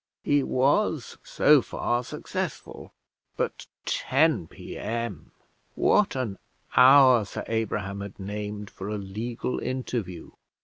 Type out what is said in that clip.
He was so far successful; but 10 P.M.: what an hour Sir Abraham had named for a legal interview!